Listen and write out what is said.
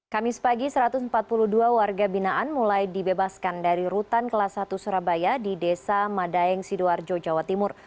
kamis pagi satu ratus empat puluh dua warga binaan mulai dibebaskan dari rutan kelas satu surabaya di desa madaeng sidoarjo jawa timur